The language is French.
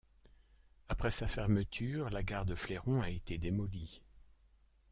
Après sa fermeture, la gare de Fleron a été démolie.